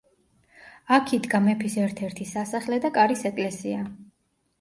აქ იდგა მეფის ერთ-ერთი სასახლე და კარის ეკლესია.